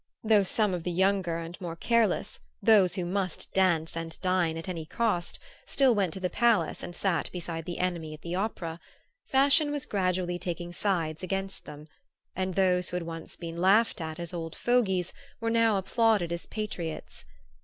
Though some of the younger and more careless, those who must dance and dine at any cost, still went to the palace and sat beside the enemy at the opera, fashion was gradually taking sides against them, and those who had once been laughed at as old fogeys were now applauded as patriots.